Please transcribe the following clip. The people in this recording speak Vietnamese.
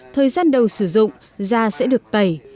thời gian đầu sử dụng da sẽ được tẩy